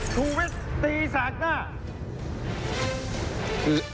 โทษเป็นอย่างไรสักครู่เดี๋ยวค่ะ